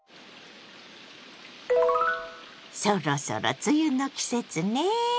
そろそろ梅雨の季節ね。